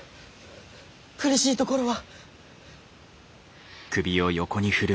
苦しいところは？